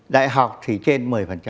đại học thì trên một mươi